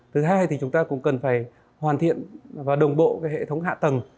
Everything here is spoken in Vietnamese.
thứ hai thì chúng ta cũng cần phải hoàn thiện và đồng bộ hệ thống hạ tầng